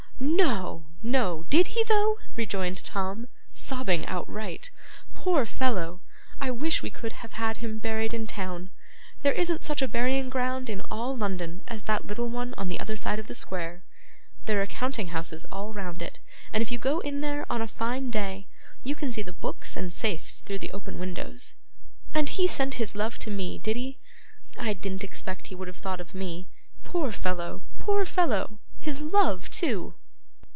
'No, no, did he though?' rejoined Tim, sobbing outright. 'Poor fellow! I wish we could have had him buried in town. There isn't such a burying ground in all London as that little one on the other side of the square there are counting houses all round it, and if you go in there, on a fine day, you can see the books and safes through the open windows. And he sent his love to me, did he? I didn't expect he would have thought of me. Poor fellow, poor fellow! His love too!